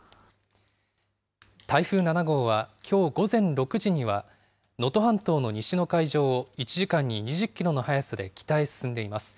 台風７号はきょう午前６時には能登半島の西の海上を、１時間に２０キロの速さで北へ進んでいます。